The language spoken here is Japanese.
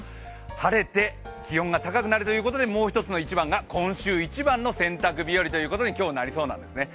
晴れて気温が高くなるということでもう一つの一番が、今週一番の洗濯日和ということに今日なりそうなんですね。